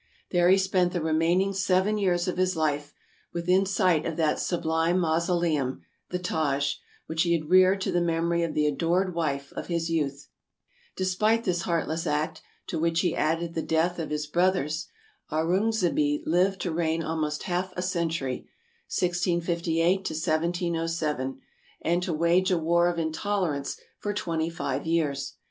There he spent the remain ing seven years of his life, within sight of that sublime mausoleum, the Taj, which he had reared to the memory of the adored wife of his youth. Despite this heartless act, to which he added the death of his brothers, Aurungzebe lived to reign almost half a century (1658 1707), and to wage a war of intolerance for twenty five years.